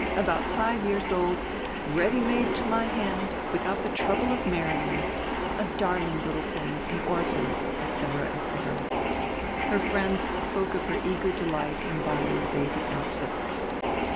about five years old, ready made to my hand, without the trouble of marrying—a darling little thing, an orphan," etc. etc. Her friends spoke of her eager delight in buying the baby's outfit.